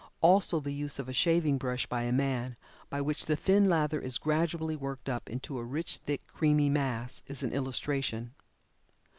Also the use of a shaving brush by a man, by which the thin lather is gradually worked up into a rich, thick, creamy mass, is an illustration.